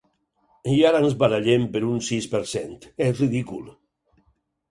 I ara ens barallem per un sis per cent… És ridícul